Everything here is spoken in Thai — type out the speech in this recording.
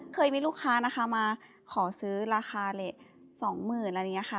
เคยมีลูกค้านะคะมาขอซื้อราคาเหละสองหมื่นแล้วนี้ค่ะ